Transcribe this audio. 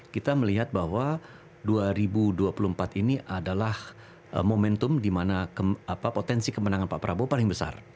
kita melihat bahwa dua ribu dua puluh empat ini adalah momentum di mana potensi kemenangan pak prabowo paling besar